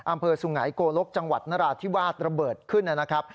อำเภอสุงัยโกลกจังหวัดนราธิวาสระเบิดขึ้นนะครับ